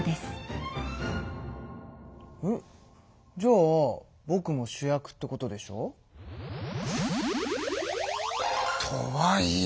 んっじゃあぼくも主役ってことでしょ？とはいえ。